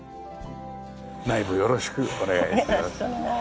内部よろしくお願いします。